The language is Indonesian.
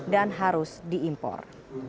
dan harus diimpor